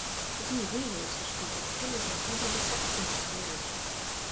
Пазней выявілася, што ў партфелі знаходзіліся асабістыя рэчы.